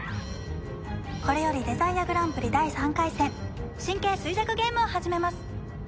これよりデザイアグランプリ第３回戦神経衰弱ゲームを始めます。